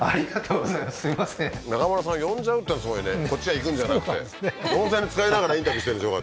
うんナカムラさんを呼んじゃうってのがすごいねこっちが行くんじゃなくて温泉につかりながらインタビューしてるんでしょ